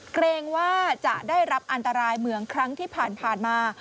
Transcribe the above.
เกรงว่าจะได้รับอันตรายเหมือนครั้งที่ผ่านมา